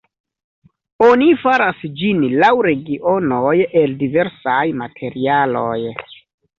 Oni faras ĝin laŭ regionoj el diversaj materialoj.